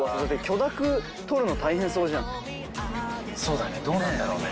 そうだねどうなんだろうね。